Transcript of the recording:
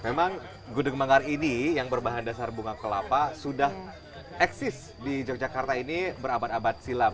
memang gudeg manggar ini yang berbahan dasar bunga kelapa sudah eksis di yogyakarta ini berabad abad silam